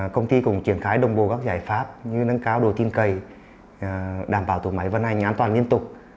công ty cũng triển khai đồng bộ các giải pháp như nâng cao độ tin cậy đảm bảo tổ máy vận hành an toàn liên tục